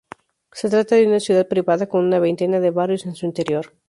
Se trata de una ciudad privada con una veintena de barrios en su interior.